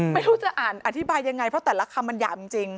ไม่รู้จะอ่านอธิบายยังไงเพราะแต่ละคำมันหยาบจริง